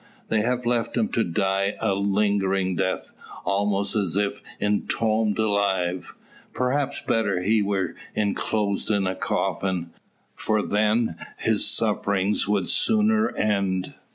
They have left him to die a lingering death, almost as if entombed alive. Perhaps better he were enclosed in a coffin; for then his sufferings would sooner end.